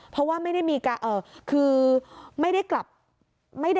เพราะว่าไม่ได้อะไรกลับมา